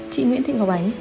chị nguyễn thị ngọc ánh